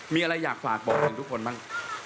มีอะไรอยากฝากบอกถึงทุกคนบ้าง